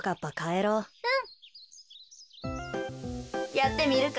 やってみるか？